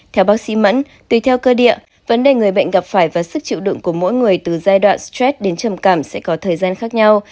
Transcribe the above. theo bác sĩ mẫn tùy theo cơ địa vấn đề người bệnh gặp phải và sức chịu đựng của mỗi người từ giai đoạn stress đến trầm cảm sẽ có thời gian khác nhau